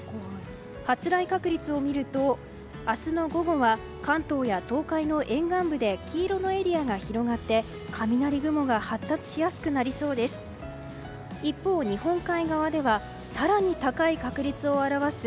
発雷確率を見ると明日の午後は関東や東海の沿岸部で黄色のエリアが広がって雷雲が発達しやすくなりそうです。